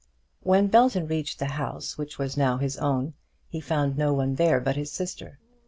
When Belton reached the house which was now his own he found no one there but his sister.